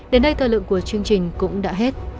đến đây thời lượng của chương trình cũng đã hết